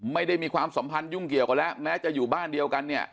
ไม่ได้มีความสัมพันธ์ยุ่งเกี่ยวกันแล้วแม้จะอยู่บ้านเดียวกันเนี่ย